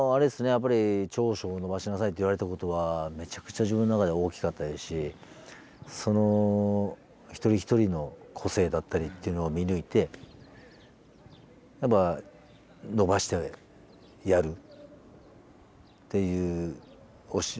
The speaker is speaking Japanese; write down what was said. やっぱり長所を伸ばしなさいって言われたことはめちゃくちゃ自分の中で大きかったですし一人一人の個性だったりっていうのを見抜いてやっぱ伸ばしてやるっていう指導者になりたいですよね。